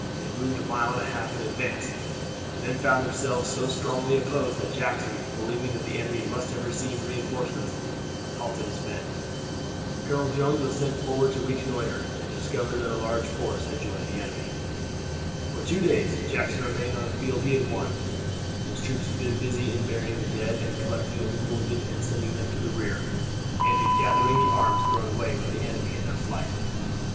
They moved a mile and a half in advance, and then found themselves so strongly opposed that Jackson, believing that the enemy must have received reinforcements, halted his men. Colonel Jones was sent forward to reconnoiter, and discovered that a large force had joined the enemy. For two days Jackson remained on the field he had won; his troops had been busy in burying the dead, in collecting the wounded and sending them to the rear, and in gathering the arms thrown away by the enemy in their flight.